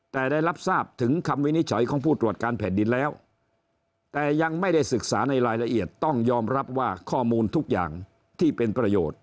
แต่ได้รับทราบถึงคำวินิจฉัยของผู้ตรวจการแผ่นดินแล้วแต่ยังไม่ได้ศึกษาในรายละเอียดต้องยอมรับว่าข้อมูลทุกอย่างที่เป็นประโยชน์